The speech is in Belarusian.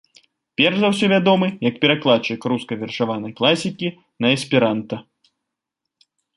Перш за ўсё вядомы як перакладчык рускай вершаванай класікі на эсперанта.